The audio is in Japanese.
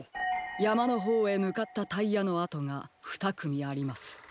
やまのほうへむかったタイヤのあとがふたくみあります。